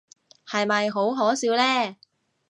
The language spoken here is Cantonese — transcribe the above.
係咪好可笑呢？